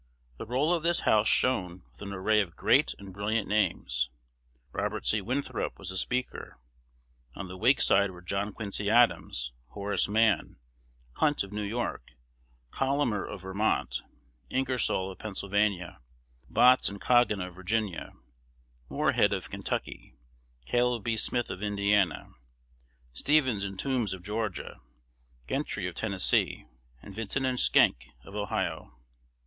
The roll of this House shone with an array of great and brilliant names. Robert C. Winthrop was the Speaker. On the Whig side were John Quincy Adams, Horace Mann, Hunt of New York, Collamer of Vermont, Ingersoll of Pennsylvania, Botts and Goggin of Virginia, Morehead of Kentucky, Caleb B. Smith of Indiana, Stephens and Toombs of Georgia, Gentry of Tennessee, and Vinton and Schenck of Ohio.